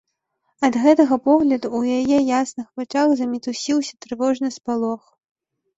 Ад гэтага погляду ў яе ясных вачах замітусіўся трывожны спалох.